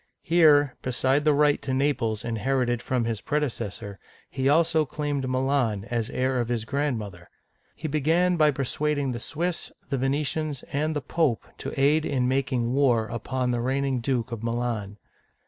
Here, besides the right to Naples inherited from his prede cessor, he also claimed Milan as heir of his grandmother (see page 364). He began by persuading the Swiss, the Venetians, and the Pope to aid in making war upon the reigning Duke of Milan.